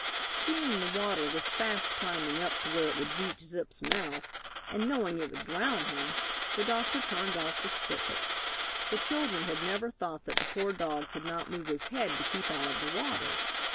Seeing the water was fast climbing up to where it would reach Zip's mouth, and knowing it would drown him, the doctor turned off the spigot. The children had never thought that the poor dog could not move his head to keep out of the water.